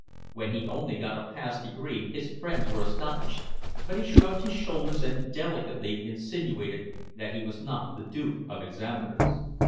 When he only got a pass degree his friends were astonished; but he shrugged his shoulders and delicately insinuated that he was not the dupe of examiners.